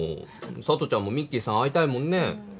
さとちゃんもミッキーさん会いたいもんね。